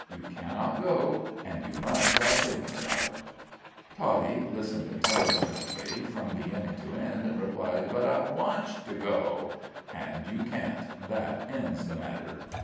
You cannot go, and you must stop thinking about it." Toddie listened intelligently from beginning to end, and replied: "But I wantsh to go." "And you can't. That ends the matter."